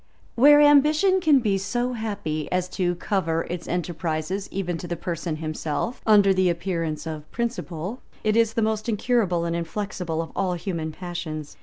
Where ambition can be so happy as to cover its enterprises, even to the person himself, under the appearance of principle, it is the most incurable and inflexible of all human passions.